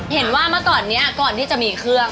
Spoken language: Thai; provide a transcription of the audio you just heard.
เห็นว่ามาก่อนเนี้ยก่อนที่จะมีเครื่อง